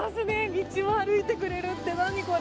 道を歩いてくれるって。